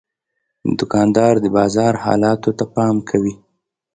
دوکاندار د بازار حالاتو ته پام کوي.